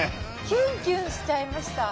キュンキュンしちゃいました。